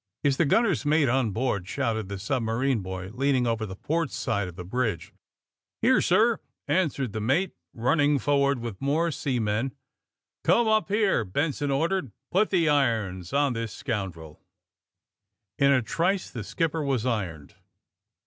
*^Is the gunner's mate on board T' shouted the submarine boy, leaning over the port side of the bridge. '* Here, sir !" answered the mate, running for ward with more seamen. '^Come up here," Benson ordered. *^Put the irons on this scoundrel." In a trice the skipper was ironed.